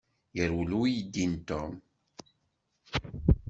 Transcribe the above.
Yerwel uydi n Tom.